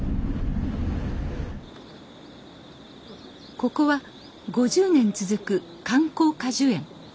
ここは５０年続く観光果樹園。